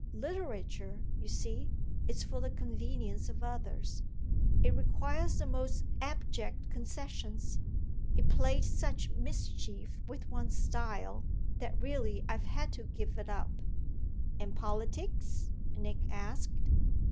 Literature, you see, is for the convenience of others. It requires the most abject concessions. It plays such mischief with one's style that really I've had to give it up." "And politics?" Nick asked.